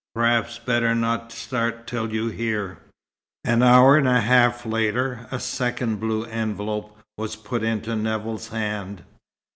Perhaps better not start till you hear." An hour and a half later a second blue envelope was put into Nevill's hand.